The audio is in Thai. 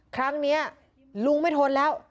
ครั้งนี้ลุงไม่ทนแล้ว